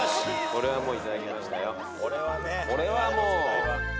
これはもう。